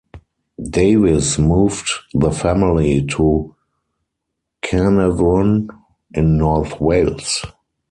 Davies moved the family to Carnarvon in North Wales.